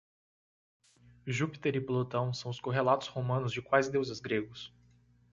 Júpiter e Plutão são os correlatos romanos de quais deuses gregos?